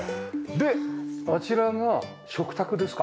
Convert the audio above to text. であちらが食卓ですか？